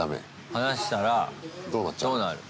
離したらどうなる？